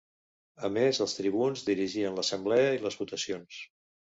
A més els tribuns dirigien l'Assemblea i les votacions.